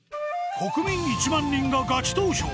国民１万人がガチ投票！